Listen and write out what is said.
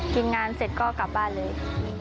กินงานเสร็จก็กลับบ้านเลย